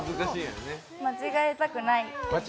間違えたくない。